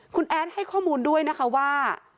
คุณแอดให้ข้อมูลด้วยนะคะว่า